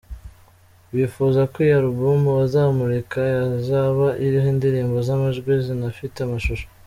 Bifuza ko iyi album bazamurika yazaba iriho indirimbo z’amajwi zinafite amashusho.